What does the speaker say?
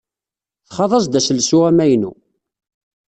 Txaḍ-as-d aselsu amaynu.